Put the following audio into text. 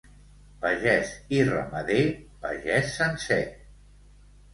Pagès i ramader, pagès sencer.